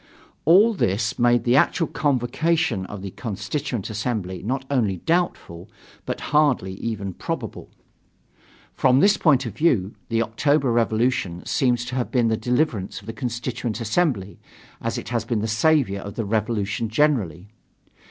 All this made the actual convocation of the Constituent Assembly not only doubtful, but hardly even probable. From this point of view, the October revolution seems to have been the deliverance of the Constituent Assembly, as it has been the savior of the Revolution generally.